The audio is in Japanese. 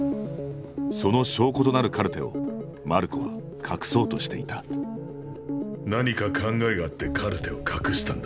その証拠となるカルテをマルコは隠そうとしていた何か考えがあってカルテを隠したんだ。